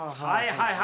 はい。